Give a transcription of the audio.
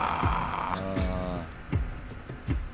うん。